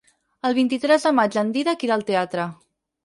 El vint-i-tres de maig en Dídac irà al teatre.